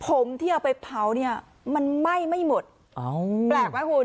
ผมที่เอาไปเผาเนี่ยมันไหม้ไม่หมดแปลกไหมคุณ